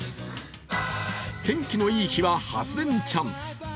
天気のいい日は発電チャンス。